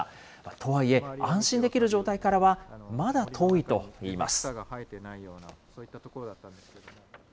とはいえ、安心できる状態からはまだ遠いといいます。